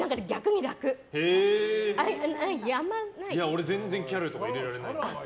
俺、全然キャラとか入れられない。